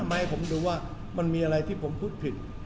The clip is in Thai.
ไหมผมดูว่ามันมีอะไรที่ผมพูดผิด